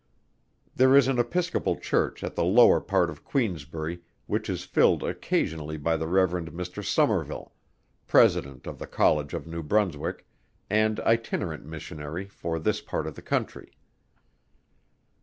There is an Episcopal Church at the lower part of Queensbury, which is filled occasionally by the Rev. Mr. SOMERVILLE, President of the College of New Brunswick, and itinerant Missionary for this part of the country.